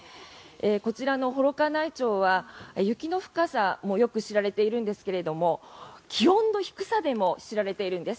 こちらの幌加内町は雪の深さもよく知られているんですが気温の低さでも知られているんです。